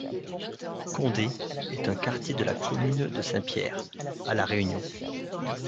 Condé est un quartier de la commune de Saint-Pierre, à La Réunion.